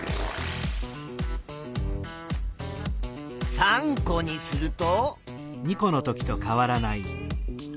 ３個にすると。